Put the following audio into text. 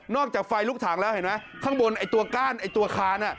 นอกจากไฟลุกถังแล้วเห็นไหมข้างบนตัวก้านตัวคาน